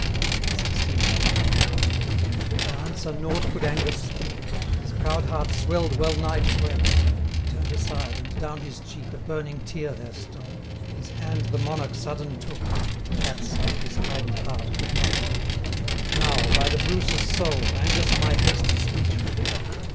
XVI. In answer nought could Angus speak; His proud heart swell'd wellnigh to break: He turn'd aside, and down his cheek 450 A burning tear there stole. His hand the Monarch sudden took, That sight his kind heart could not brook: 'Now, by the Bruce's soul, Angus, my hasty speech forgive!